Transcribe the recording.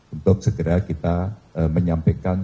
untuk segera kita menyampaikan